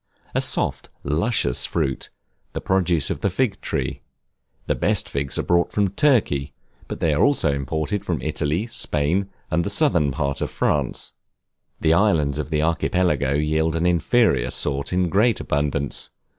A soft, luscious fruit, the produce of the fig tree. The best figs are brought from Turkey, but they are also imported from Italy, Spain, and the southern part of France. The islands of the Archipelago yield an inferior sort in great abundance.